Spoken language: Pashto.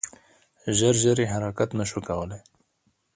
ژر ژر یې حرکت نه شو کولای .